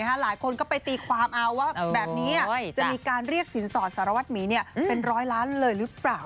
หลายคนก็ไปตีความเอาว่าแบบนี้จะมีการเรียกสินสอดสารวัตรหมีเป็นร้อยล้านเลยหรือเปล่า